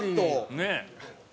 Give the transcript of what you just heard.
ねえ。